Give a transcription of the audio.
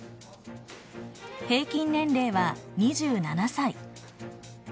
平均年齢は２７歳。